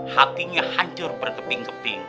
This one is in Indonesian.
hatinya hancur berkeping keping